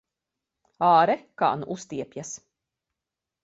Āre, kā nu uztiepjas!